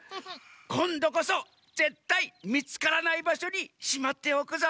こんどこそぜったいみつからないばしょにしまっておくざんす。